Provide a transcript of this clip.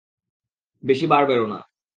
বেশি বাড় বেড়ো না।